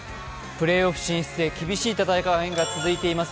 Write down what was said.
プレーオフ進出へ厳しい戦いが続いています